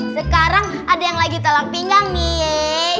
sekarang ada yang lagi telak pinggang nih